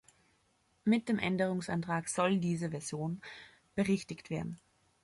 Mit dem Änderungsantrag soll diese Version berichtigt werden.